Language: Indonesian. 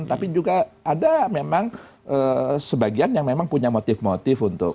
tapi juga ada memang sebagian yang memang punya motif motif untuk